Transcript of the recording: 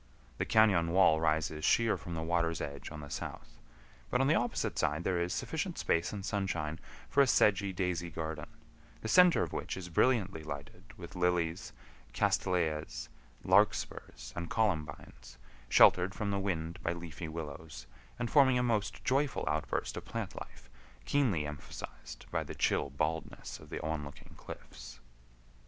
The cañon wall rises sheer from the water's edge on the south, but on the opposite side there is sufficient space and sunshine for a sedgy daisy garden, the center of which is brilliantly lighted with lilies, castilleias, larkspurs, and columbines, sheltered from the wind by leafy willows, and forming a most joyful outburst of plant life keenly emphasized by the chill baldness of the onlooking cliffs.